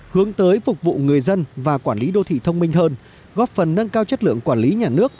hướng tới phục vụ người dân và quản lý đô thị thông minh hơn góp phần nâng cao chất lượng quản lý nhà nước